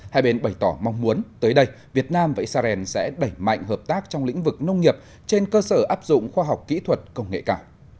hai bên bày tỏ mong muốn tới đây việt nam và israel sẽ đẩy mạnh hợp tác trong lĩnh vực nông nghiệp trên cơ sở áp dụng khoa học kỹ thuật công nghệ cả